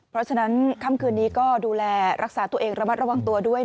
เพราะฉะนั้นค่ำคืนนี้ก็ดูแลรักษาตัวเองระมัดระวังตัวด้วย